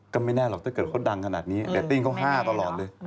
ก็ไม่แน่หรอกถ้าเกิดเขาดังขนาดนี้เรตติ้งเขา๕ตลอดเลย